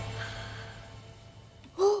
あっ！